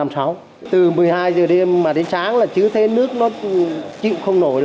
từ một mươi hai giờ đêm đến sáng là chứ thế nước nó chịu không nổi